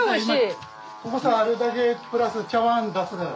ここさあるだけプラス茶わん出すから。